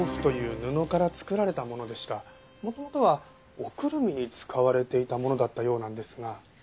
元々はおくるみに使われていたものだったようなんですが。